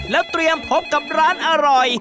แล้วเตรียมพบกับร้านอร่อย